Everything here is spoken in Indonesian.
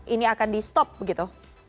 ini akan dihentikan begitu